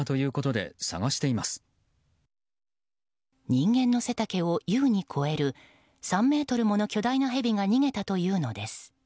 人間の背丈を優に超える３ｍもの巨大なヘビが逃げたというのです。